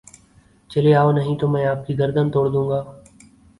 چلے جاؤ نہیں تو میں آپ کی گردن تڑ دوں گا